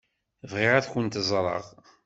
Bɣiɣ ad kent-ẓṛeɣ.